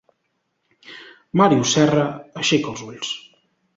Màrius Serra aixeca els ulls.